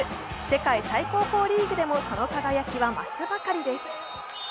世界最高峰リーグでもその輝きは増すばかりです。